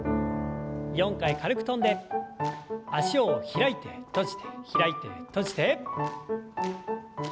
４回軽く跳んで脚を開いて閉じて開いて閉じて。